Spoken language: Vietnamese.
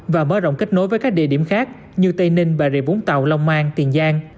và mở rộng kết nối với các địa điểm khác như tây ninh bà rịa vũng tàu long an tiền giang